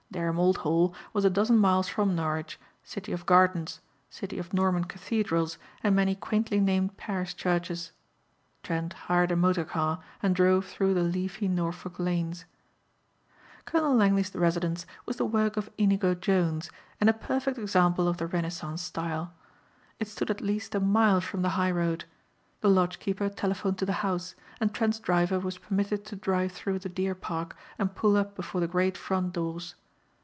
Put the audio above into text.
Dereham Old Hall was a dozen miles from Norwich, city of gardens, city of Norman cathedrals and many quaintly named parish churches. Trent hired a motor car and drove through the leafy Norfolk lanes. Colonel Langley's residence was the work of Inigo Jones and a perfect example of the Renaissance style. It stood at least a mile from the high road. The lodge keeper telephoned to the house and Trent's driver was permitted to drive through the deer park and pull up before the great front doors.